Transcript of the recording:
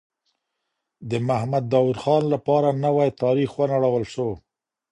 د محمد داوود خان لپاره نوی تاریخ ونړول سو.